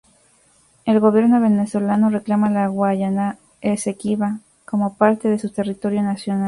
El gobierno venezolano reclama la Guayana Esequiba como parte de su territorio nacional.